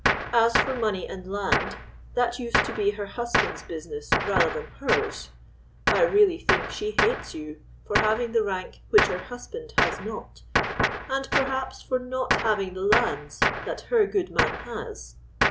As for money and land, that used to be her husband's business rather than hers; I really think she hates you for having the rank which her husband has not, and perhaps for not having the lands that her goodman has.